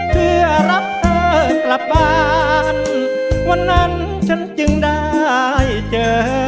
เพื่อรับเธอกลับบ้านวันนั้นฉันจึงได้เจอ